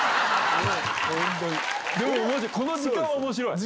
でもこの時間は面白い。